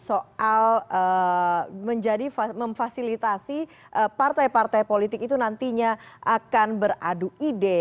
soal menjadi memfasilitasi partai partai politik itu nantinya akan beradu ide